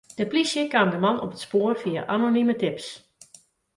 De polysje kaam de man op it spoar fia anonime tips.